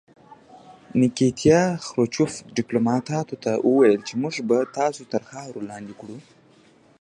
نیکیتیا خروچوف ډیپلوماتانو ته وویل چې موږ به تاسې تر خاورو لاندې کړو